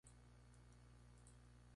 Con algunas modificaciones.